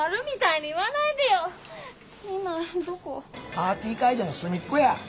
パーティー会場の隅っこや。